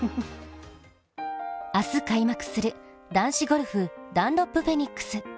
明日開幕する男子ゴルフダンロップフェニックス。